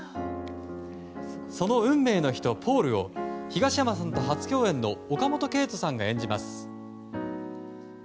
その運命の人、ポールを東山さんと初共演の岡本圭人さんが演じます。